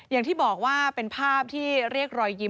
อย่างที่บอกว่าเป็นภาพที่เรียกรอยยิ้ม